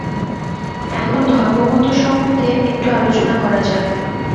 এখন ধর্মমত সম্বন্ধে একটু আলোচনা করা যাক।